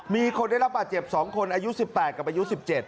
มีคนได้รับบาดเจ็บ๒คนอายุ๑๘กับอายุ๑๗